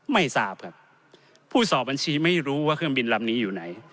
ไม่ทราบครับผู้สอบบัญชีไม่รู้ว่าเครื่องบินลำนี้อยู่ไหน